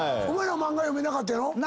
お前も漫画読めなかったやろ？